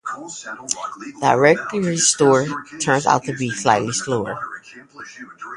Directory-store turns out to be slightly slower.